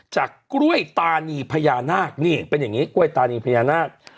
จากกล้วยตานีพญานาคนี่เป็นอย่างนี้กล้วยตานีพญานาค